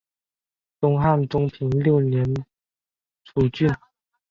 东汉中平六年诸郡。